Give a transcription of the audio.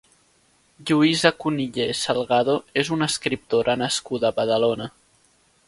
Lluïsa Cunillé Salgado és una escriptora nascuda a Badalona.